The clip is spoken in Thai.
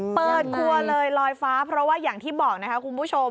เปิดครัวเลยลอยฟ้าเพราะว่าอย่างที่บอกนะคะคุณผู้ชม